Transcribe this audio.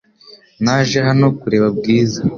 Naje hano kureba Bwiza .